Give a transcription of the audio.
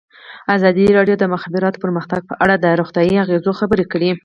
ازادي راډیو د د مخابراتو پرمختګ په اړه د روغتیایي اغېزو خبره کړې.